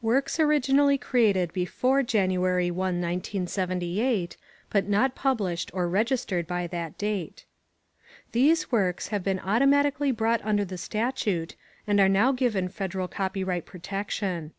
Works Originally Created before January 1, 1978, But Not Published or Registered by That Date These works have been automatically brought under the statute and are now given federal copyright protection.